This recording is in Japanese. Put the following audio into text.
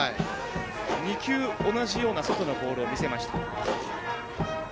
２球、同じような外のボールを見せました。